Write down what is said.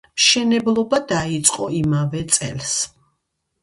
მშენებლობა დაიწყო იმავე წელს.